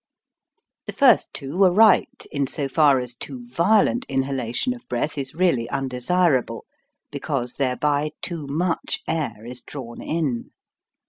The first two were right, in so far as too violent inhalation of breath is really undesirable, because thereby too much air is drawn in.